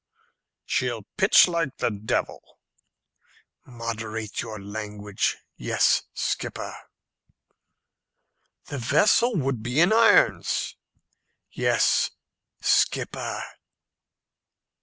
"She'll pitch like the devil." "Moderate your language. Yes, skipper." "The vessel would be in irons." "Yes, skipper."